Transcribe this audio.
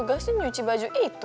emang aku yang nyuci baju itu